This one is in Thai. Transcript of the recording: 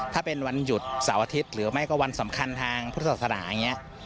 ถ้าเป็นวันหยุดเสาร์อาทิตย์หรือไม่ก็วันสำคัญทางพุทธศาสนาอย่างนี้